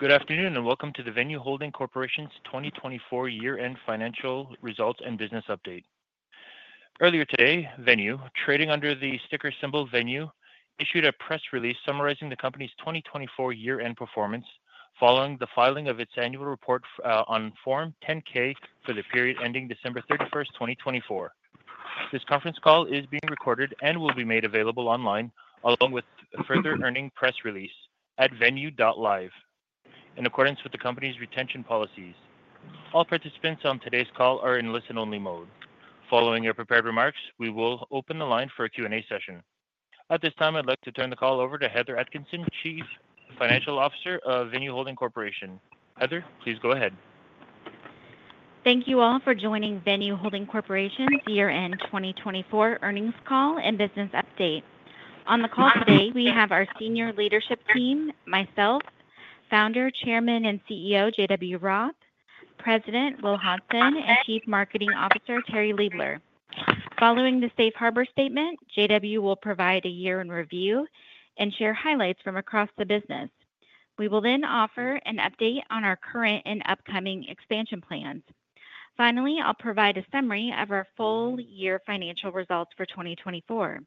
Good afternoon and welcome to the Venu Holding Corporation's 2024 Year-End Financial Results and Business Update. Earlier today, Venu, trading under the ticker symbol VENU, issued a press release summarizing the company's 2024 year-end performance following the filing of its annual report on Form 10-K for the period ending December 31st, 2024. This conference call is being recorded and will be made available online along with further earnings press release at venue.live, in accordance with the company's retention policies. All participants on today's call are in listen-only mode. Following your prepared remarks, we will open the line for a Q&A session. At this time, I'd like to turn the call over to Heather Atkinson, Chief Financial Officer of Venu Holding Corporation. Heather, please go ahead. Thank you all for joining Venu Holding Corporation's year-end 2024 earnings call and business update. On the call today, we have our senior leadership team, myself, Founder, Chairman, and CEO JW Roth, President Will Hodgson, and Chief Marketing Officer Terri Liebler. Following the safe harbor statement, JW will provide a year in review and share highlights from across the business. We will then offer an update on our current and upcoming expansion plans. Finally, I'll provide a summary of our full year financial results for 2024.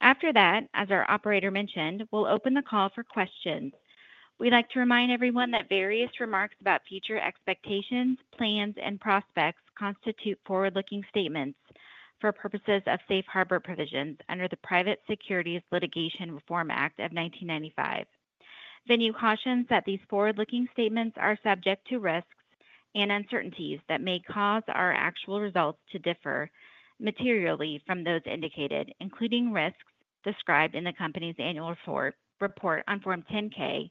After that, as our operator mentioned, we'll open the call for questions. We'd like to remind everyone that various remarks about future expectations, plans, and prospects constitute forward-looking statements for purposes of safe harbor provisions under the Private Securities Litigation Reform Act of 1995. Venu cautions that these forward-looking statements are subject to risks and uncertainties that may cause our actual results to differ materially from those indicated, including risks described in the company's annual report on Form 10-K for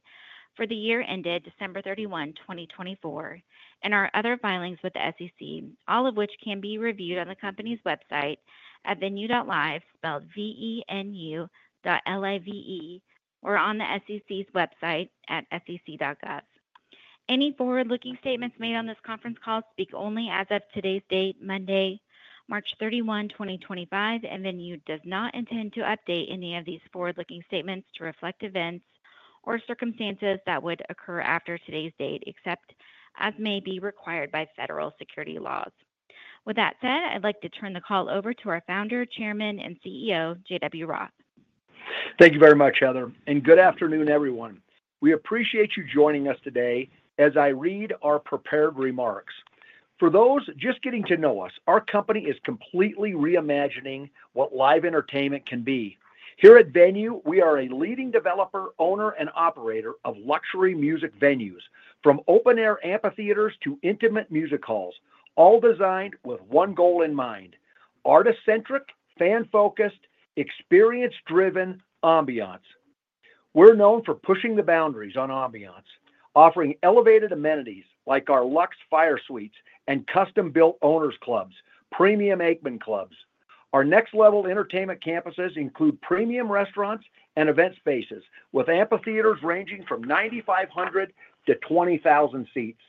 the year ended December 31, 2024, and our other filings with the SEC, all of which can be reviewed on the company's website at venu.live, spelled V-E-N-U dot L-I-V-E, or on the SEC's website at sec.gov. Any forward-looking statements made on this conference call speak only as of today's date, Monday, March 31, 2025, and Venu does not intend to update any of these forward-looking statements to reflect events or circumstances that would occur after today's date, except as may be required by federal security laws. With that said, I'd like to turn the call over to our Founder, Chairman, and CEO JW Roth. Thank you very much, Heather, and good afternoon, everyone. We appreciate you joining us today as I read our prepared remarks. For those just getting to know us, our company is completely reimagining what live entertainment can be. Here at Venu, we are a leading developer, owner, and operator of luxury music venues, from open-air amphitheaters to intimate music halls, all designed with one goal in mind: artist-centric, fan-focused, experience-driven ambiance. We're known for pushing the boundaries on ambiance, offering elevated amenities like our Luxe Fire Suites and custom-built Owner's Clubs, premium Aikman Clubs. Our next-level entertainment campuses include premium restaurants and event spaces, with amphitheaters ranging from 9,500 to 20,000 seats.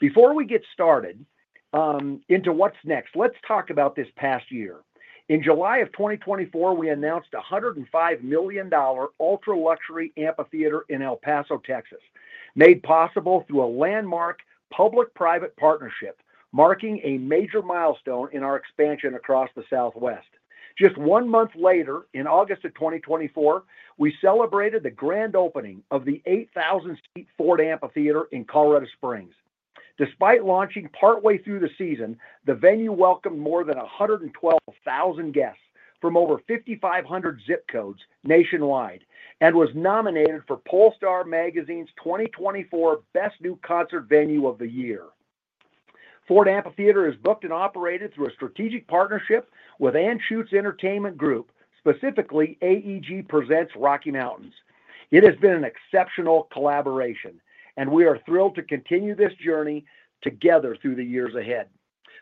Before we get started into what's next, let's talk about this past year. In July of 2024, we announced a $105 million ultra-luxury amphitheater in El Paso, Texas, made possible through a landmark public-private partnership marking a major milestone in our expansion across the Southwest. Just one month later, in August of 2024, we celebrated the grand opening of the 8,000-seat Ford Amphitheater in Colorado Springs. Despite launching partway through the season, the venue welcomed more than 112,000 guests from over 5,500 zip codes nationwide and was nominated for Pollstar Magazine's 2024 Best New Concert Venue of the Year. Ford Amphitheater is booked and operated through a strategic partnership with Anschutz Entertainment Group, specifically AEG Presents Rocky Mountains. It has been an exceptional collaboration, and we are thrilled to continue this journey together through the years ahead.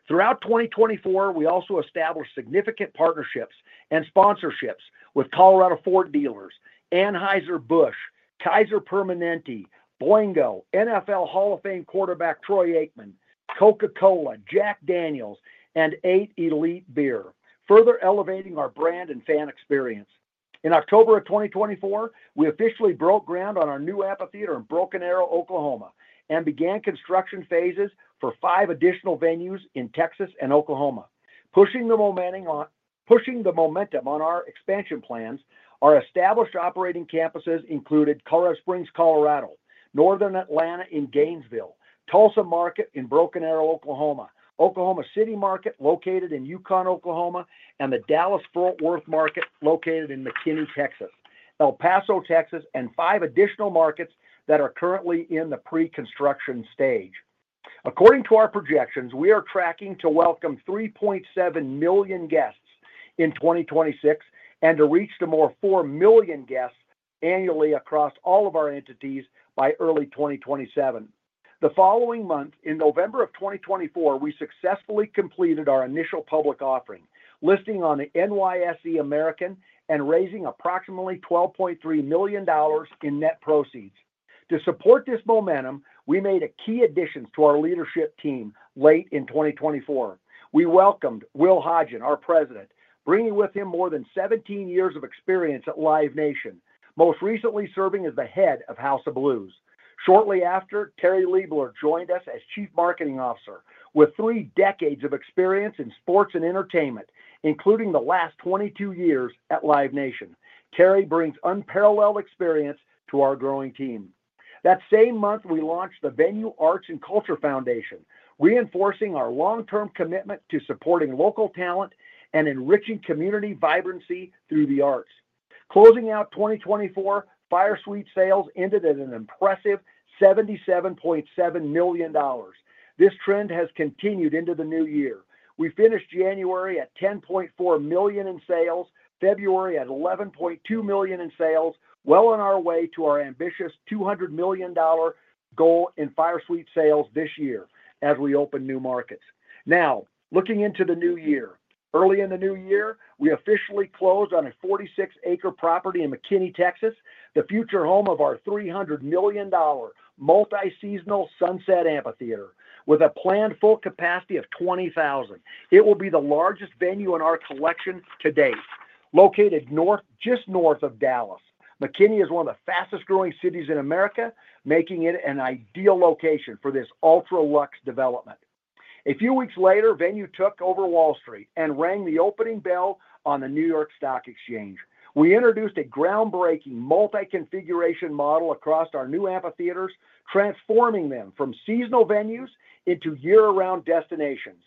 Throughout 2024, we also established significant partnerships and sponsorships with Colorado Ford dealers, Anheuser-Busch, Kaiser Permanente, Boingo, NFL Hall of Fame quarterback Troy Aikman, Coca-Cola, Jack Daniel's, and EIGHT Elite Beer, further elevating our brand and fan experience. In October of 2024, we officially broke ground on our new amphitheater in Broken Arrow, Oklahoma, and began construction phases for five additional venues in Texas and Oklahoma. Pushing the momentum on our expansion plans, our established operating campuses included Colorado Springs, Colorado; Northern Atlanta in Gainesville; Tulsa Market in Broken Arrow, Oklahoma; Oklahoma City Market located in Yukon, Oklahoma; and the Dallas-Fort Worth Market located in McKinney, Texas; El Paso, Texas; and five additional markets that are currently in the pre-construction stage. According to our projections, we are tracking to welcome 3.7 million guests in 2026 and to reach to more 4 million guests annually across all of our entities by early 2027. The following month, in November of 2024, we successfully completed our initial public offering, listing on the NYSE American, and raising approximately $12.3 million in net proceeds. To support this momentum, we made key additions to our leadership team late in 2024. We welcomed Will Hodgson, our President, bringing with him more than 17 years of experience at Live Nation, most recently serving as the head of House of Blues. Shortly after, Terri Liebler joined us as Chief Marketing Officer with three decades of experience in sports and entertainment, including the last 22 years at Live Nation. Terri brings unparalleled experience to our growing team. That same month, we launched the Venu Arts and Culture Foundation, reinforcing our long-term commitment to supporting local talent and enriching community vibrancy through the arts. Closing out 2024, Fire Suite sales ended at an impressive $77.7 million. This trend has continued into the new year. We finished January at $10.4 million in sales, February at $11.2 million in sales, well on our way to our ambitious $200 million goal in Fire Suite sales this year as we open new markets. Now, looking into the new year, early in the new year, we officially closed on a 46-acre property in McKinney, Texas, the future home of our $300 million multi-seasonal Sunset Amphitheater, with a planned full capacity of 20,000. It will be the largest venue in our collection to date, located just north of Dallas. McKinney is one of the fastest-growing cities in America, making it an ideal location for this ultra-lux development. A few weeks later, Venu took over Wall Street and rang the opening bell on the New York Stock Exchange. We introduced a groundbreaking multi-configuration model across our new amphitheaters, transforming them from seasonal venues into year-round destinations.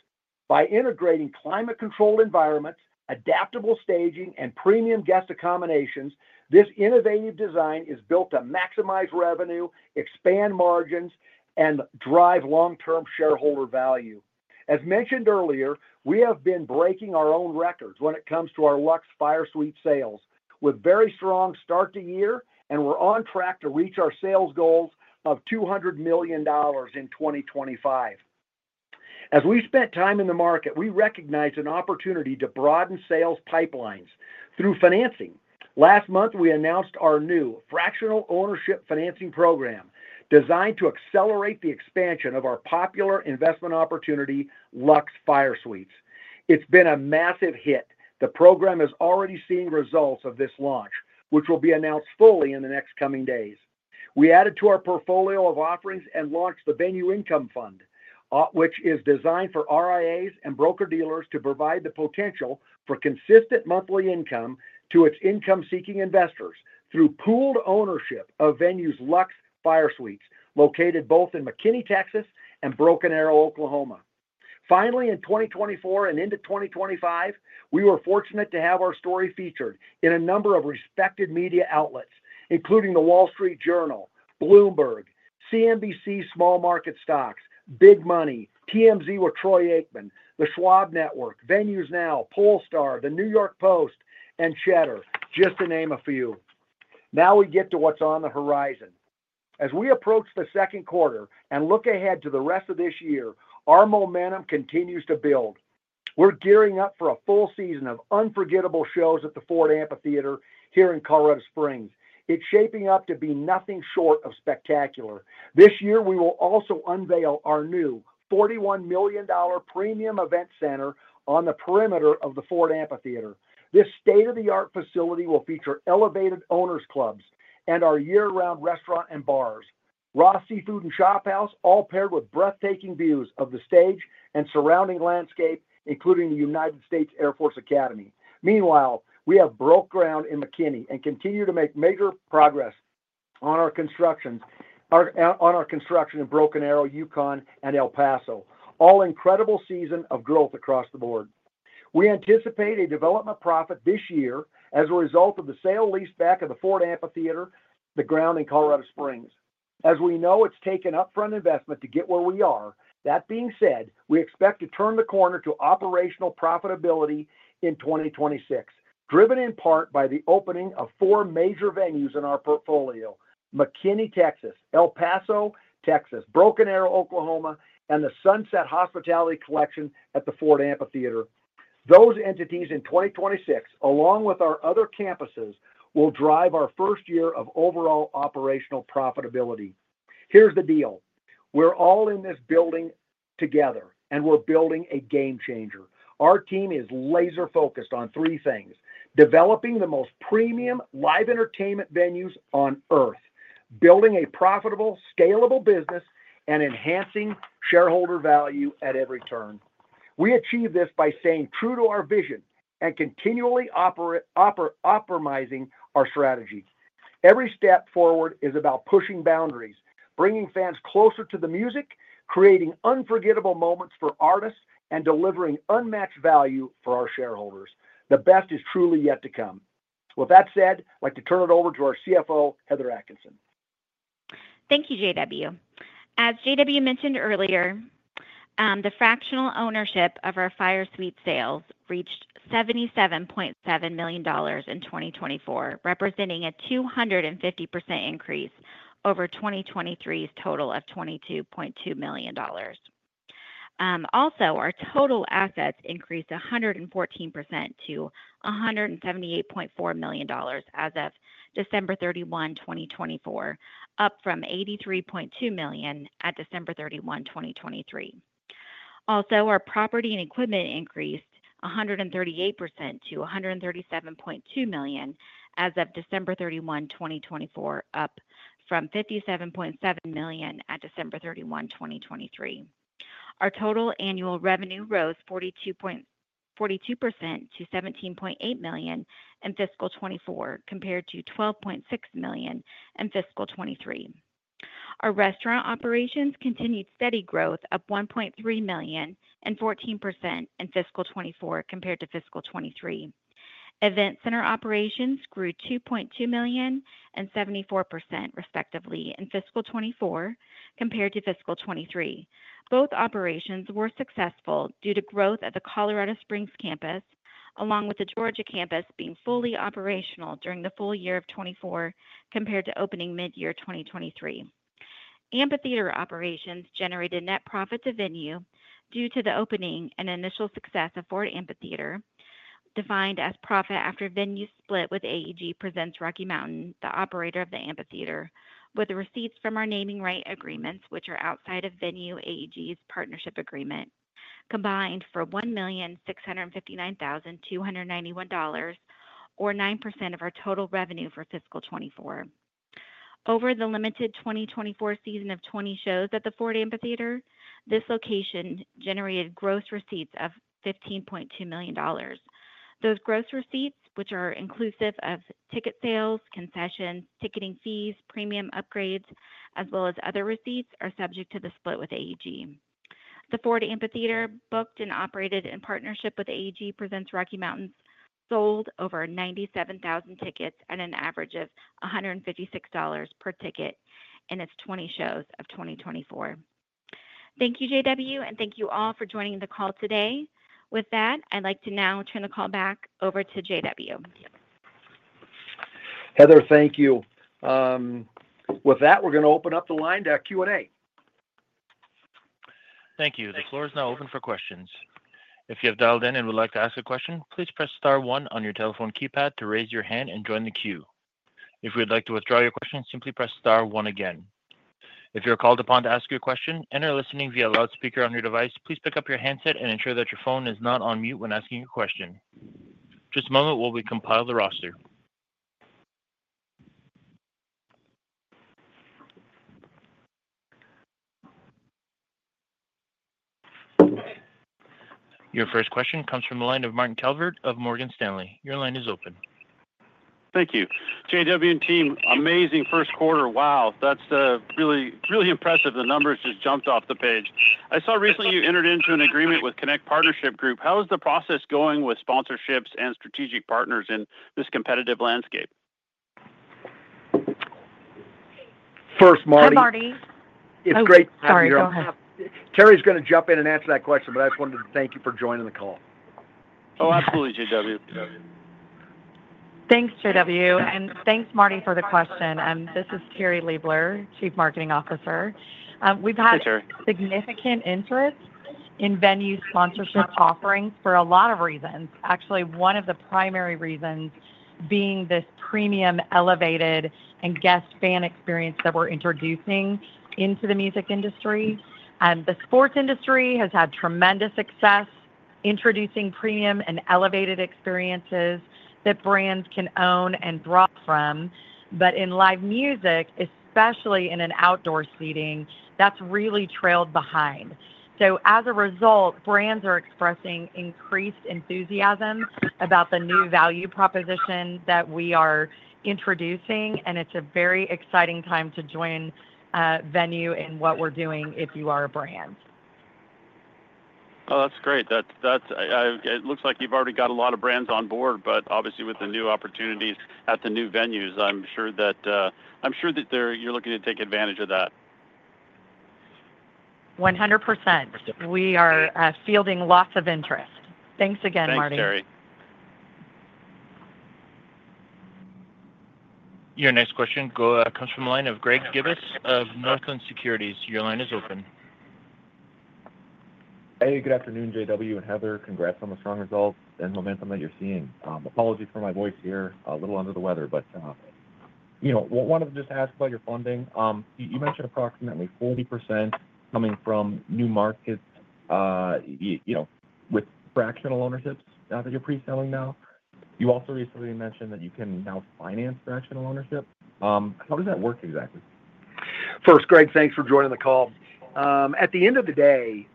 By integrating climate-controlled environments, adaptable staging, and premium guest accommodations, this innovative design is built to maximize revenue, expand margins, and drive long-term shareholder value. As mentioned earlier, we have been breaking our own records when it comes to our Luxe Fire Suite sales, with very strong start to year, and we're on track to reach our sales goals of $200 million in 2025. As we spent time in the market, we recognized an opportunity to broaden sales pipelines through financing. Last month, we announced our new fractional ownership financing program designed to accelerate the expansion of our popular investment opportunity, Luxe Fire Suites. It's been a massive hit. The program is already seeing results of this launch, which will be announced fully in the next coming days. We added to our portfolio of offerings and launched the Venu Income Fund, which is designed for RIAs and broker-dealers to provide the potential for consistent monthly income to its income-seeking investors through pooled ownership of Venue's Luxe Fire Suites, located both in McKinney, Texas, and Broken Arrow, Oklahoma. Finally, in 2024 and into 2025, we were fortunate to have our story featured in a number of respected media outlets, including The Wall Street Journal, Bloomberg, CNBC Small Market Stocks, Big Money, TMZ with Troy Aikman, The Schwab Network, VenuesNow, Polestar Magazine, The New York Post, and Cheddar, just to name a few. Now we get to what's on the horizon. As we approach the second quarter and look ahead to the rest of this year, our momentum continues to build. We're gearing up for a full season of unforgettable shows at the Ford Amphitheater here in Colorado Springs. It's shaping up to be nothing short of spectacular. This year, we will also unveil our new $41 million premium event center on the perimeter of the Ford Amphitheater. This state-of-the-art facility will feature elevated Owner's Clubs and our year-round restaurant and bars, Roth's Seafood & Chophouse, all paired with breathtaking views of the stage and surrounding landscape, including the United States Air Force Academy. Meanwhile, we have broken ground in McKinney and continue to make major progress on our construction in Broken Arrow, Yukon, and El Paso, all an incredible season of growth across the board. We anticipate a development profit this year as a result of the sale leased back of the Ford Amphitheater, the ground in Colorado Springs. As we know, it's taken upfront investment to get where we are. That being said, we expect to turn the corner to operational profitability in 2026, driven in part by the opening of four major venues in our portfolio: McKinney, Texas; El Paso, Texas; Broken Arrow, Oklahoma; and the Sunset Hospitality Collection at the Ford Amphitheater. Those entities in 2026, along with our other campuses, will drive our first year of overall operational profitability. Here's the deal: we're all in this building together, and we're building a game changer. Our team is laser-focused on three things: developing the most premium live entertainment venues on Earth, building a profitable, scalable business, and enhancing shareholder value at every turn. We achieve this by staying true to our vision and continually optimizing our strategy. Every step forward is about pushing boundaries, bringing fans closer to the music, creating unforgettable moments for artists, and delivering unmatched value for our shareholders. The best is truly yet to come. With that said, I'd like to turn it over to our CFO, Heather Atkinson. Thank you, JW. As JW mentioned earlier, the fractional ownership of our Fire Suite sales reached $77.7 million in 2024, representing a 250% increase over 2023's total of $22.2 million. Also, our total assets increased 114% to $178.4 million as of December 31, 2024, up from $83.2 million at December 31, 2023. Also, our property and equipment increased 138% to $137.2 million as of December 31, 2024, up from $57.7 million at December 31, 2023. Our total annual revenue rose 42% to $17.8 million in fiscal 2024, compared to $12.6 million in fiscal 2023. Our restaurant operations continued steady growth of $1.3 million and 14% in fiscal 2024, compared to fiscal 2023. Event center operations grew $2.2 million and 74%, respectively, in fiscal 2024, compared to fiscal 2023. Both operations were successful due to growth at the Colorado Springs campus, along with the Georgia campus being fully operational during the full year of 2024, compared to opening mid-year 2023. Amphitheater operations generated net profit to Venu due to the opening and initial success of Ford Amphitheater, defined as profit after Venu's split with AEG Presents Rocky Mountains, the operator of the amphitheater, with receipts from our naming right agreements, which are outside of Venu AEG's partnership agreement, combined for $1,659,291, or 9% of our total revenue for fiscal 2024. Over the limited 2024 season of 20 shows at the Ford Amphitheater, this location generated gross receipts of $15.2 million. Those gross receipts, which are inclusive of ticket sales, concessions, ticketing fees, premium upgrades, as well as other receipts, are subject to the split with AEG. The Ford Amphitheater, booked and operated in partnership with AEG Presents Rocky Mountains, sold over 97,000 tickets at an average of $156 per ticket in its 20 shows of 2024. Thank you, JW, and thank you all for joining the call today. With that, I'd like to now turn the call back over to JW. Heather, thank you. With that, we're going to open up the line to Q&A. Thank you. The floor is now open for questions. If you have dialed in and would like to ask a question, please press star one on your telephone keypad to raise your hand and join the queue. If you would like to withdraw your question, simply press star one again. If you're called upon to ask your question and are listening via loudspeaker on your device, please pick up your handset and ensure that your phone is not on mute when asking your question. Just a moment while we compile the roster. Your first question comes from the line of Martin Calvert of Morgan Stanley. Your line is open. Thank you. JW and team, amazing first quarter. Wow, that's really, really impressive. The numbers just jumped off the page. I saw recently you entered into an agreement with Connect Partnership Group. How is the process going with sponsorships and strategic partners in this competitive landscape? First, Martin. Hi, Marty. It's great. Sorry, go ahead. Terri is going to jump in and answer that question, but I just wanted to thank you for joining the call. Oh, absolutely, JW. Thanks, JW. Thanks, Marty, for the question. This is Terri Liebler, Chief Marketing Officer. We've had. Hey, Terri. Significant interest in venue sponsorship offerings for a lot of reasons, actually one of the primary reasons being this premium, elevated, and guest fan experience that we're introducing into the music industry. The sports industry has had tremendous success introducing premium and elevated experiences that brands can own and draw from, but in live music, especially in an outdoor seating, that's really trailed behind. As a result, brands are expressing increased enthusiasm about the new value proposition that we are introducing, and it's a very exciting time to join Venu in what we're doing if you are a brand. Oh, that's great. It looks like you've already got a lot of brands on board, but obviously with the new opportunities at the new venues, I'm sure that you're looking to take advantage of that. 100%. We are fielding lots of interest. Thanks again, Marty. Thanks, Terri. Your next question comes from the line of Greg Gibas of Northland Securities. Your line is open. Hey, good afternoon, JW and Heather. Congrats on the strong results and momentum that you're seeing. Apologies for my voice here, a little under the weather, but wanted to just ask about your funding. You mentioned approximately 40% coming from new markets with fractional ownerships that you're preselling now. You also recently mentioned that you can now finance fractional ownership. How does that work exactly? First, Greg, thanks for joining the call. At the end of the day,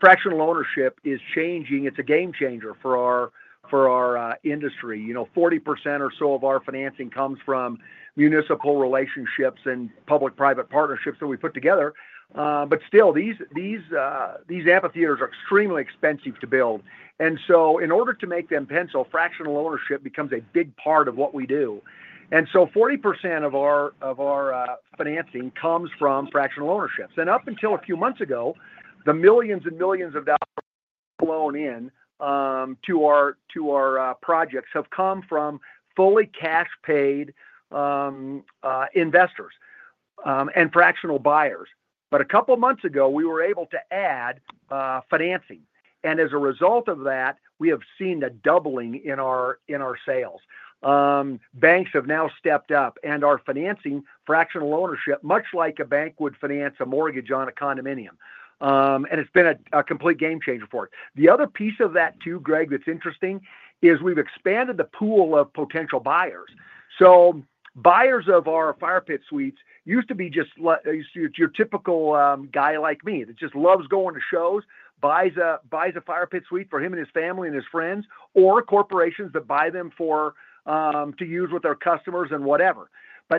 fractional ownership is changing. It's a game changer for our industry. 40% or so of our financing comes from municipal relationships and public-private partnerships that we put together. These amphitheaters are extremely expensive to build. In order to make them pencil, fractional ownership becomes a big part of what we do. 40% of our financing comes from fractional ownerships. Up until a few months ago, the millions and millions of dollars flown in to our projects have come from fully cash-paid investors and fractional buyers. A couple of months ago, we were able to add financing. As a result of that, we have seen a doubling in our sales. Banks have now stepped up, and are financing fractional ownership, much like a bank would finance a mortgage on a condominium. It's been a complete game changer for it. The other piece of that too, Greg, that's interesting is we've expanded the pool of potential buyers. Buyers of our fire pit suites used to be just your typical guy like me that just loves going to shows, buys a fire pit suite for him and his family and his friends, or corporations that buy them to use with their customers and whatever.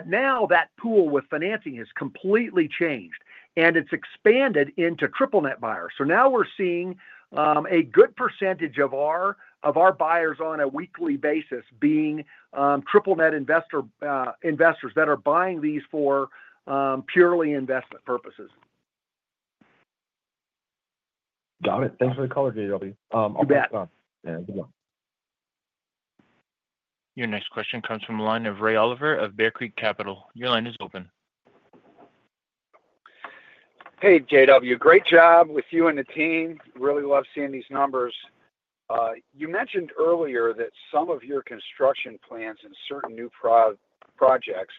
Now that pool with financing has completely changed, and it's expanded into triple-net buyers. Now we're seeing a good percentage of our buyers on a weekly basis being triple-net investors that are buying these for purely investment purposes. Got it. Thanks for the call, JW. I'll pass it on. Your next question comes from the line of Ray Oliver of Bear Creek Capital. Your line is open. Hey, JW. Great job with you and the team. Really love seeing these numbers. You mentioned earlier that some of your construction plans and certain new projects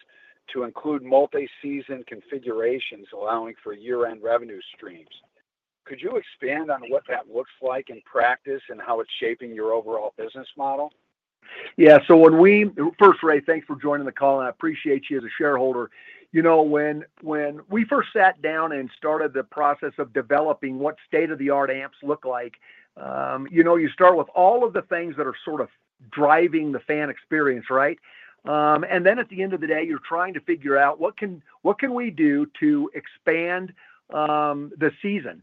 to include multi-season configurations allowing for year-end revenue streams. Could you expand on what that looks like in practice and how it's shaping your overall business model? Yeah. When we first, Ray, thanks for joining the call, and I appreciate you as a shareholder. You know when we first sat down and started the process of developing what state-of-the-art amps look like, you start with all of the things that are sort of driving the fan experience, right? At the end of the day, you're trying to figure out what can we do to expand the season.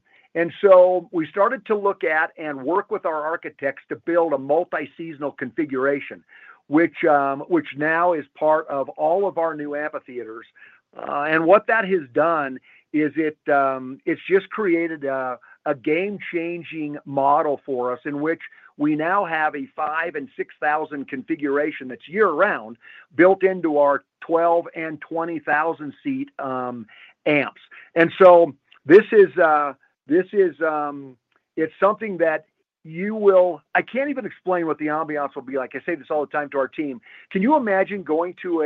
We started to look at and work with our architects to build a multi-seasonal configuration, which now is part of all of our new amphitheaters. What that has done is it's just created a game-changing model for us in which we now have a 5,000 and 6,000 configuration that's year-round built into our 12,000 and 20,000 seat amps. This is something that you will—I can't even explain what the ambiance will be like. I say this all the time to our team. Can you imagine going to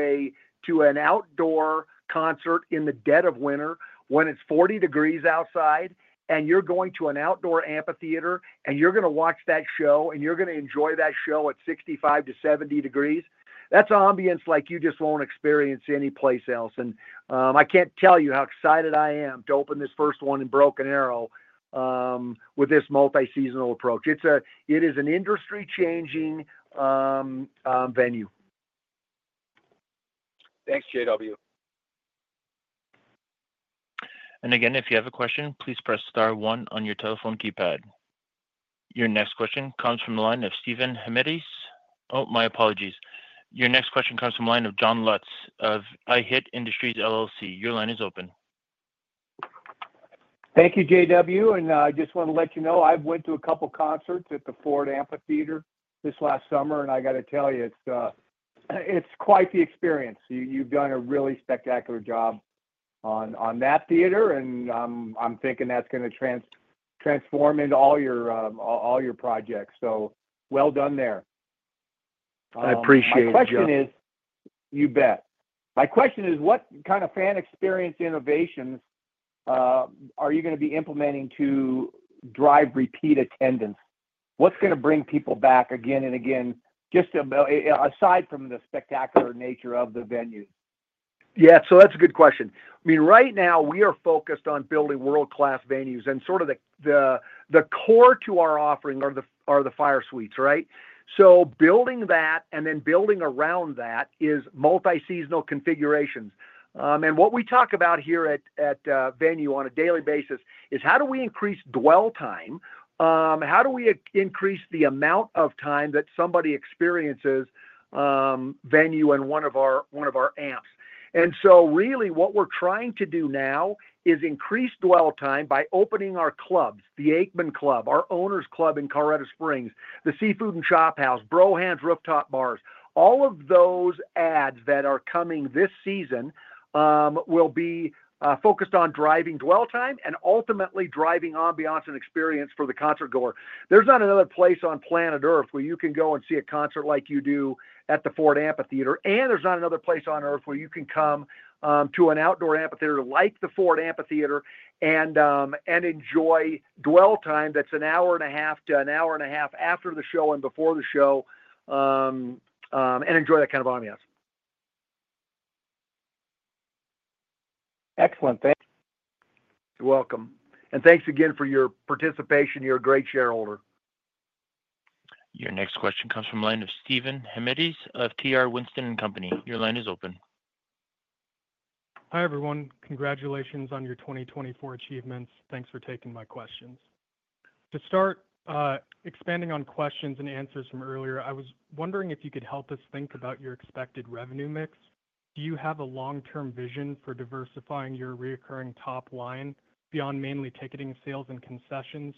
an outdoor concert in the dead of winter when it's 40 degrees Fahrenheit outside, and you're going to an outdoor amphitheater, and you're going to watch that show, and you're going to enjoy that show at 65 to 70 degrees Fahrenheit? That's an ambiance like you just won't experience anyplace else.I can't tell you how excited I am to open this first one in Broken Arrow with this multi-seasonal approach. It is an industry-changing venue. Thanks, JW. If you have a question, please press star one on your telephone keypad. Your next question comes from the line of Stephen Hemedes. Oh, my apologies. Your next question comes from the line of Jon Lutz of iHit Industries LLC. Your line is open. Thank you, JW. I just want to let you know I've went to a couple of concerts at the Ford Amphitheater this last summer, and I got to tell you, it's quite the experience. You've done a really spectacular job on that theater, and I'm thinking that's going to transform into all your projects. So well done there. I appreciate that. My question is, you bet. My question is, what kind of fan experience innovations are you going to be implementing to drive repeat attendance? What's going to bring people back again and again, just aside from the spectacular nature of the venue? Yeah. That's a good question. I mean, right now, we are focused on building world-class venues, and sort of the core to our offering are the Fire Suites, right? Building that and then building around that is multi-seasonal configurations. What we talk about here at Venu on a daily basis is, how do we increase dwell time? How do we increase the amount of time that somebody experiences Venu in one of our amps? Really, what we're trying to do now is increase dwell time by opening our clubs, the Aikman Club, our Owners Club in Colorado Springs, the Seafood and Chophouse, Brohan's Rooftop Bars. All of those ads that are coming this season will be focused on driving dwell time and ultimately driving ambiance and experience for the concertgoer. There's not another place on planet Earth where you can go and see a concert like you do at the Ford Amphitheater, and there's not another place on Earth where you can come to an outdoor amphitheater like the Ford Amphitheater and enjoy dwell time that's an hour and a half to an hour and a half after the show and before the show, and enjoy that kind of ambiance. Excellent. Thank you. You're welcome. And thanks again for your participation. You're a great shareholder. Your next question comes from the line of Stephen Hemedes of T.R. Winston & Company. Your line is open. Hi everyone. Congratulations on your 2024 achievements. Thanks for taking my questions. To start expanding on questions and answers from earlier, I was wondering if you could help us think about your expected revenue mix. Do you have a long-term vision for diversifying your recurring top line beyond mainly ticketing sales and concessions?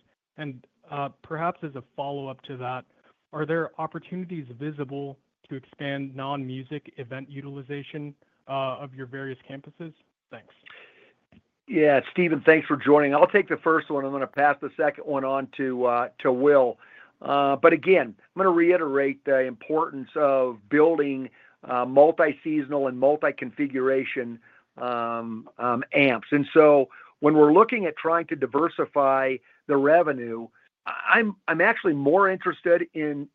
Perhaps as a follow-up to that, are there opportunities visible to expand non-music event utilization of your various campuses? Thanks. Yeah. Steven, thanks for joining. I'll take the first one. I'm going to pass the second one on to Will. Again, I'm going to reiterate the importance of building multi-seasonal and multi-configuration amps. When we're looking at trying to diversify the revenue, I'm actually more interested in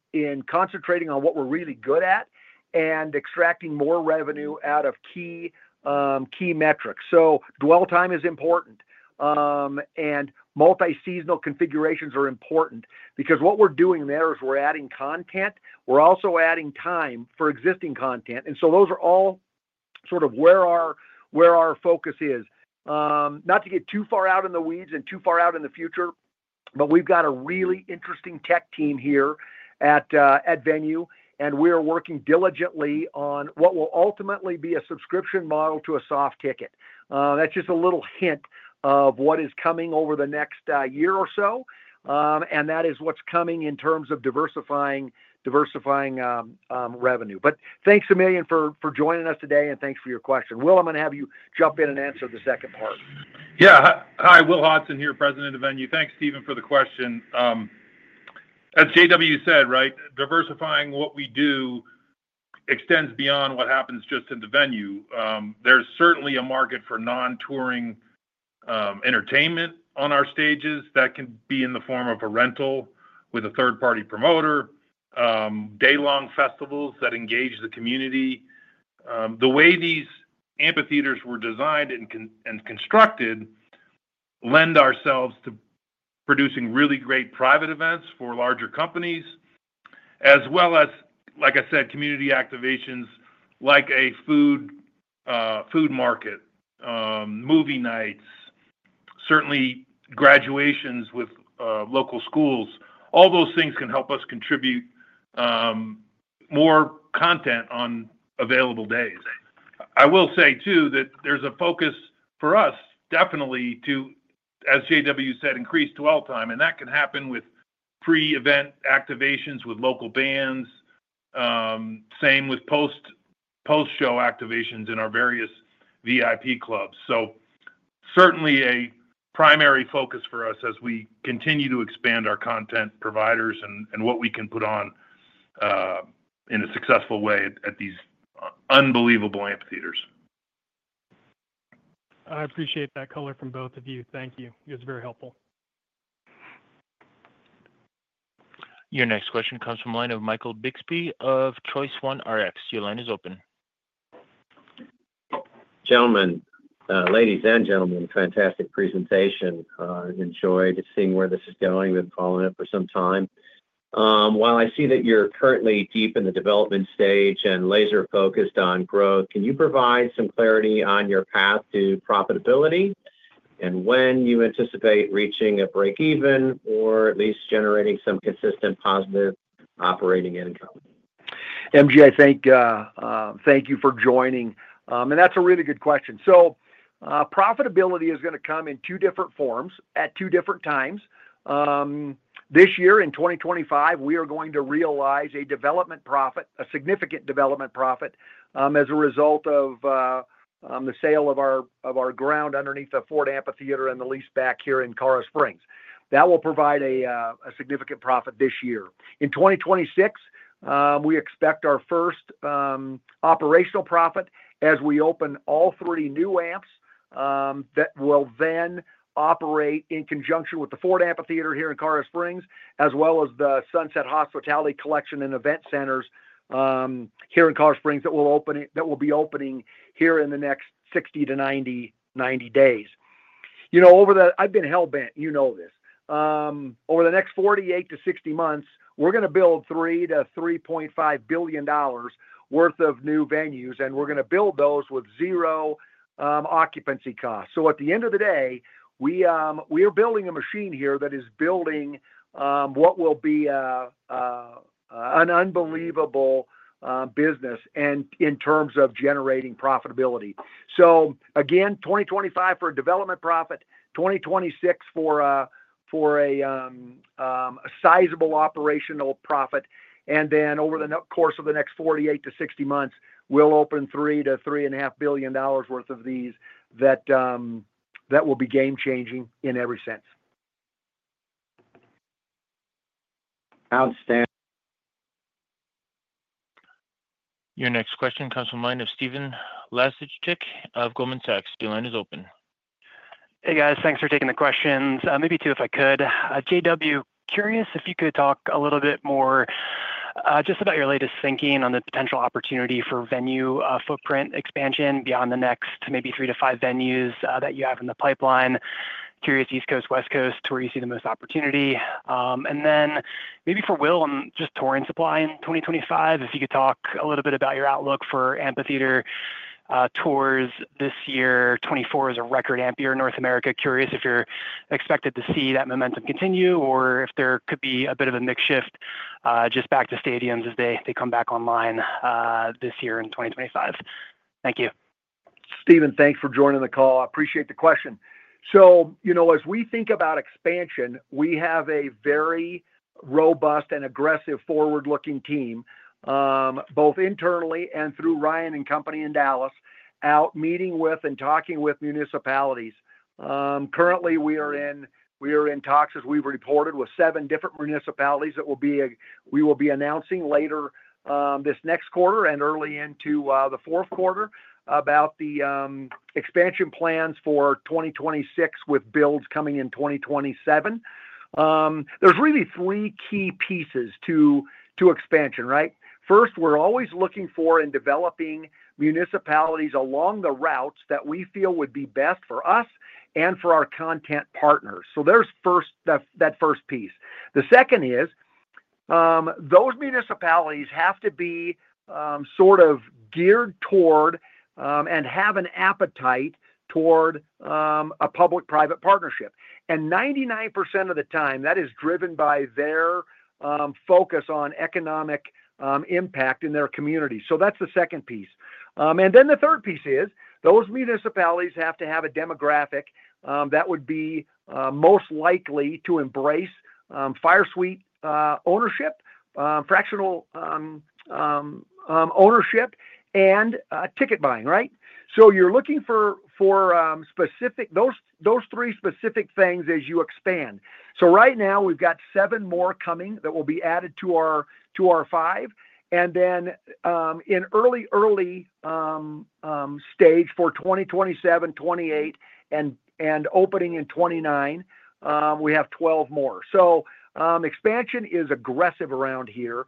concentrating on what we're really good at and extracting more revenue out of key metrics. Dwell time is important, and multi-seasonal configurations are important because what we're doing there is we're adding content. We're also adding time for existing content. Those are all sort of where our focus is. Not to get too far out in the weeds and too far out in the future, we've got a really interesting tech team here at Venu, and we're working diligently on what will ultimately be a subscription model to a soft ticket. That's just a little hint of what is coming over the next year or so. That is what's coming in terms of diversifying revenue. Thanks a million for joining us today, and thanks for your question. Will, I'm going to have you jump in and answer the second part. Yeah. Hi, Will Hodgson here, President of Venu. Thanks, Steven, for the question. As JW said, right, diversifying what we do extends beyond what happens just at the venue. There's certainly a market for non-touring entertainment on our stages that can be in the form of a rental with a third-party promoter, day-long festivals that engage the community. The way these amphitheaters were designed and constructed lends ourselves to producing really great private events for larger companies, as well as, like I said, community activations like a food market, movie nights, certainly graduations with local schools. All those things can help us contribute more content on available days. I will say too that there's a focus for us definitely to, as JW said, increase dwell time, and that can happen with pre-event activations with local bands, same with post-show activations in our various VIP clubs. Certainly a primary focus for us as we continue to expand our content providers and what we can put on in a successful way at these unbelievable amphitheaters. I appreciate that color from both of you. Thank you. It was very helpful. Your next question comes from the line of Michael Bixby of Choice One RX. Your line is open. Ladies and gentlemen, fantastic presentation. Enjoyed seeing where this is going. We've been following it for some time. While I see that you're currently deep in the development stage and laser-focused on growth, can you provide some clarity on your path to profitability and when you anticipate reaching a break-even or at least generating some consistent positive operating income? MG, I thank you for joining. That's a really good question. Profitability is going to come in two different forms at two different times. This year, in 2025, we are going to realize a significant development profit as a result of the sale of our ground underneath the Ford Amphitheater and the lease back here in Colorado Springs. That will provide a significant profit this year. In 2026, we expect our first operational profit as we open all three new amps that will then operate in conjunction with the Ford Amphitheater here in Colorado Springs, as well as the Sunset Hospitality Collection and Event Centers here in Colorado Springs that will be opening here in the next 60-90 days. You know, I've been hellbent; you know this. Over the next 48-60 months, we're going to build $3 billion-$3.5 billion worth of new venues, and we're going to build those with zero occupancy costs. At the end of the day, we are building a machine here that is building what will be an unbelievable business in terms of generating profitability. Again, 2025 for a development profit, 2026 for a sizable operational profit, and then over the course of the next 48-60 months, we'll open $3 billion-$3.5 billion worth of these that will be game-changing in every sense. Outstanding. Your next question comes from the line of Stephen Laszczyk of Goldman Sachs. Your line is open. Hey, guys. Thanks for taking the questions. Maybe two, if I could. JW, curious if you could talk a little bit more just about your latest thinking on the potential opportunity for venue footprint expansion beyond the next maybe three to five venues that you have in the pipeline. Curious East Coast, West Coast, where you see the most opportunity. Then maybe for Will on just touring supply in 2025, if you could talk a little bit about your outlook for amphitheater tours this year. 2024 is a record amp year in North America. Curious if you're expected to see that momentum continue or if there could be a bit of a makeshift just back to stadiums as they come back online this year in 2025. Thank you. Steven, thanks for joining the call. I appreciate the question. As we think about expansion, we have a very robust and aggressive forward-looking team, both internally and through Ryan Companies in Dallas, out meeting with and talking with municipalities. Currently, we are in talks, as we've reported, with seven different municipalities that we will be announcing later this next quarter and early into the fourth quarter about the expansion plans for 2026 with builds coming in 2027. There are really three key pieces to expansion, right? First, we're always looking for and developing municipalities along the routes that we feel would be best for us and for our content partners. There is that first piece. The second is those municipalities have to be sort of geared toward and have an appetite toward a public-private partnership. Ninety-nine percent of the time, that is driven by their focus on economic impact in their community. That is the second piece. The third piece is those municipalities have to have a demographic that would be most likely to embrace fire suite ownership, fractional ownership, and ticket buying, right? You are looking for those three specific things as you expand. Right now, we have seven more coming that will be added to our five. In early, early stage for 2027, 2028, and opening in 2029, we have 12 more. Expansion is aggressive around here.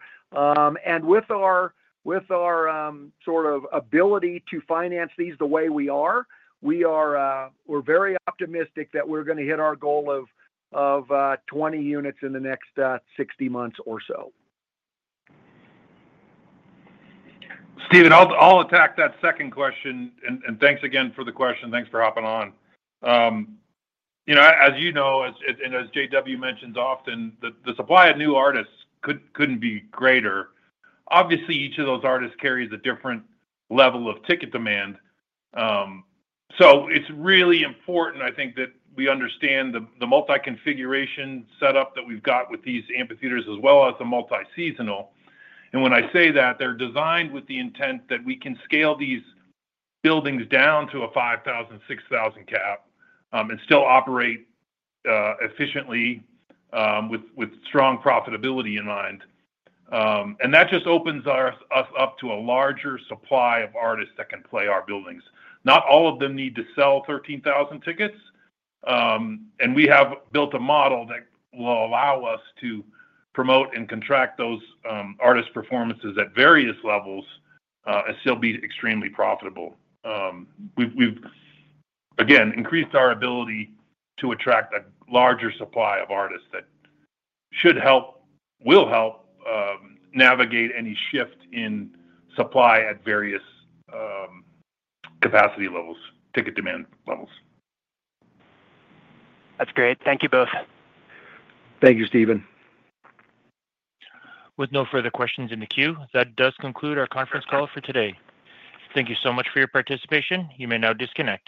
With our sort of ability to finance these the way we are, we are very optimistic that we are going to hit our goal of 20 units in the next 60 months or so. Steven, I'll attack that second question, and thanks again for the question. Thanks for hopping on. As you know, and as JW mentions often, the supply of new artists couldn't be greater. Obviously, each of those artists carries a different level of ticket demand. It is really important, I think, that we understand the multi-configuration setup that we've got with these amphitheaters as well as the multi-seasonal. When I say that, they're designed with the intent that we can scale these buildings down to a 5,000, 6,000 cap and still operate efficiently with strong profitability in mind. That just opens us up to a larger supply of artists that can play our buildings. Not all of them need to sell 13,000 tickets. We have built a model that will allow us to promote and contract those artist performances at various levels and still be extremely profitable. We've, again, increased our ability to attract a larger supply of artists that should help, will help navigate any shift in supply at various capacity levels, ticket demand levels. That's great. Thank you both. Thank you, Steven. With no further questions in the queue, that does conclude our conference call for today. Thank you so much for your participation. You may now disconnect.